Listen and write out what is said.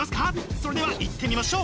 それではいってみましょう！